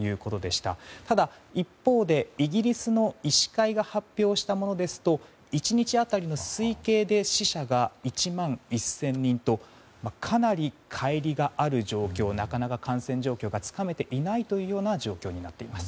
ただ、一方でイギリスの医師会が発表したものですと１日当たりの推計で死者が１万１０００人とかなりかい離がある状況でなかなか感染状況がつかめていない状況になります。